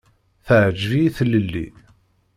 Teɛǧeb-iyi tlelli.